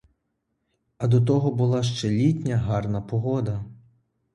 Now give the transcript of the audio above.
А до того була ще літня гарна погода.